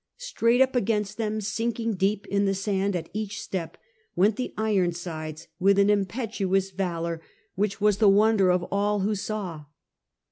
Straight up against them, sinking deep x6"8. 13 * in the sand at each step, went the Ironsides with an impetuous valour which was the wonder of all who saw.